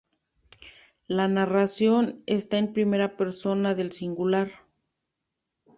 La narración está en primera persona del singular.